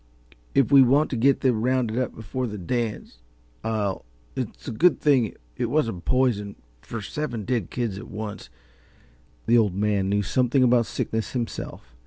"If we want to get them rounded up before the dance, I'll it's a good thing it wasn't poison, for seven dead kids at once " The Old Man knew something about sickness himself.